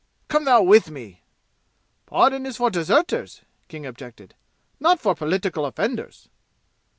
Come thou with me!" "The pardon is for deserters," King objected, "not for political offenders."